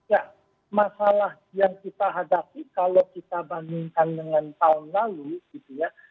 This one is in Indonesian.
ya masalah yang kita hadapi kalau kita bandingkan dengan tahun lalu gitu ya